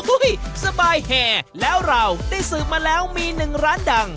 สบายแห่แล้วเราได้สืบมาแล้วมีหนึ่งร้านดัง